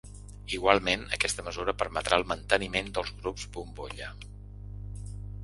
Igualment, aquesta mesura permetrà el manteniment dels grups bombolla.